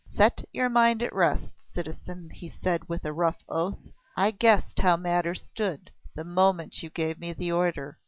"Set your mind at rest, citizen," he said with a rough oath. "I guessed how matters stood the moment you gave me the order.